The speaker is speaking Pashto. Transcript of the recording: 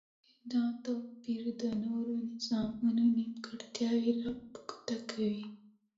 چی دا توپیر د نورو نظامونو نیمګرتیاوی را په ګوته کوی